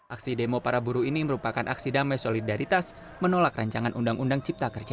aksi demo para buruh ini merupakan aksi damai solidaritas menolak rancangan undang undang cipta kerja